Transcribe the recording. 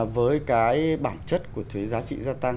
với cái bản chất của thuế giá trị gia tăng